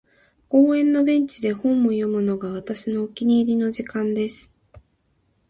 •公園のベンチで本を読むのが、私のお気に入りの時間です。